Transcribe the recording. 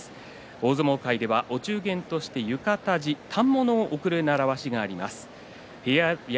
大相撲界ではお中元として浴衣地、反物を贈る習慣があります。